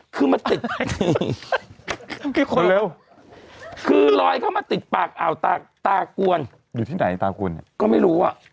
คือลอยเข้ามาติดปากอ้าวตากวนอยู่ที่ไหนตากวนก็ไม่รู้อ่ะ